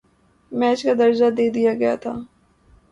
match کا درجہ دے دیا گیا تھا